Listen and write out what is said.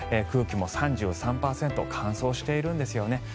空気も３３％乾燥しているんですよね。